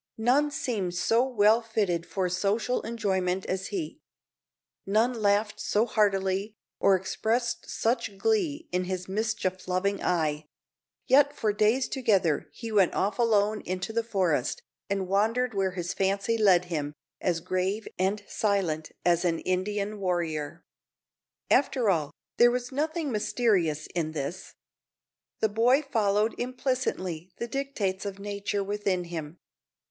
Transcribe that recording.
None seemed so well fitted for social enjoyment as he; none laughed so heartily, or expressed such glee in his mischief loving eye; yet for days together he went off alone into the forest, and wandered where his fancy led him, as grave and silent as an Indian warrior. After all, there was nothing mysterious in this. The boy followed implicitly the dictates of nature within him.